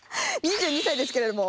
２２歳ですけれども。